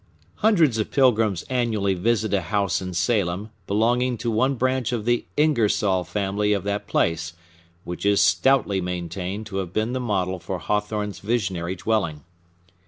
Hundreds of pilgrims annually visit a house in Salem, belonging to one branch of the Ingersoll family of that place, which is stoutly maintained to have been the model for Hawthorne's visionary dwelling.